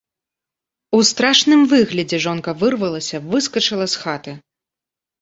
У страшным выглядзе жонка вырвалася, выскачыла з хаты.